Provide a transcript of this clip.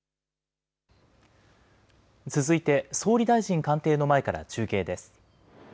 続いて総理大臣官邸の前から中継です。